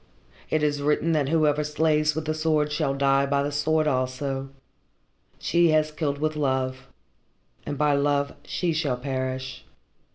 It is written that whosoever slays with the sword shall die by the sword also. She has killed with love, and by love she shall perish.